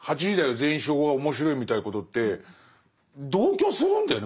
全員集合」は面白いみたいなことって同居するんだよね。